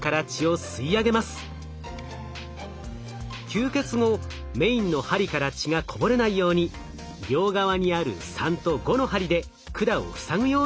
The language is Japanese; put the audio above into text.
吸血後メインの針から血がこぼれないように両側にある３と５の針で管を塞ぐようにします。